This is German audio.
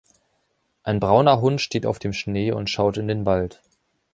Ein brauner Hund steht auf dem Schnee und schaut in den Wald.